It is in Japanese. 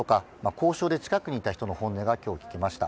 交渉で近くにいた人の本音が今日、聞けました。